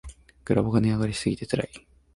グラボが値上がりしすぎてつらい